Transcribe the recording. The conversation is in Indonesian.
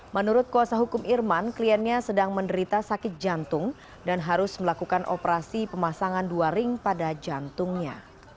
menurut kuasa hukum irman kliennya sedang menderita sakit jantung dan harus melakukan operasi pemasangan dua ring pada jantungnya